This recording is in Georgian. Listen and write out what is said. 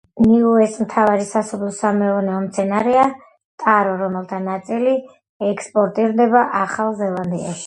ნიუეს მთავარი სასოფლო-სამეურნეო მცენარეა ტარო, რომელთა ნაწილი ექსპორტირდება ახალ ზელანდიაში.